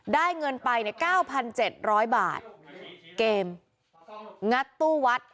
ได้เงินไปเนี่ยเก้าพันเจ็ดร้อยบาทเกมงัดตู้วัด